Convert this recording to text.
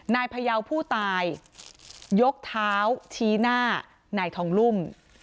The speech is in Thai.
พยาวผู้ตายยกเท้าชี้หน้านายทองลุ่ม